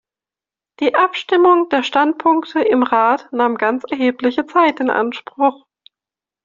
Die Abstimmung der Standpunkte im Rat nahm ganz erhebliche Zeit in Anspruch.